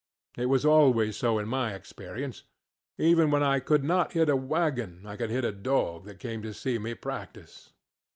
It was always so in my experience. Even when I could not hit a wagon I could hit a dog that came to see me practice.